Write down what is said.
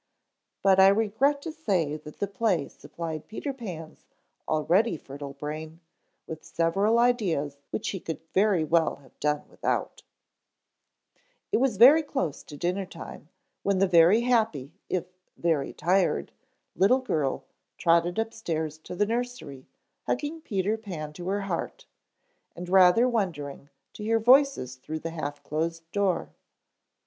But I regret to say that the play supplied Peter Pan's already fertile brain with several ideas which he could very well have done without. It was very close to dinner time when the very happy if very tired little girl trotted upstairs to the nursery hugging Peter Pan to her heart, and rather wondering to hear voices through the half closed door.